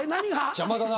邪魔だな。